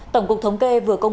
tổng cục thống kê vừa công